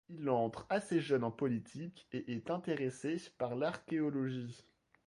Il entre assez jeune en politique et est intéressé par l'archéologie.